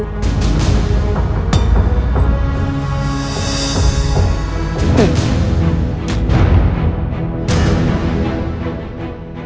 ketul aku akan menyerahmu dengan sekuat tenaga